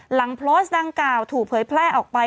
หลังโพสต์ดังกล่าวถูกเผยแพร่ออกไป